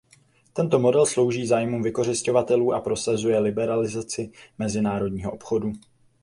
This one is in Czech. Tento model slouží zájmům vykořisťovatelů a prosazuje liberalizaci mezinárodního obchodu.